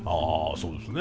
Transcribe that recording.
そうですね。